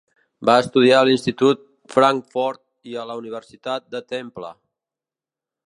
Va estudiar a l'institut Frankford i a la Universitat de Temple.